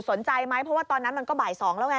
สนใจไหมเพราะว่าตอนนั้นมันก็บ่าย๒แล้วไง